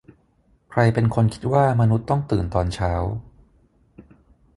ใครเป็นคนคิดว่ามนุษย์ต้องตื่นตอนเช้า